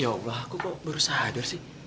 ya allah kok kok baru sadar sih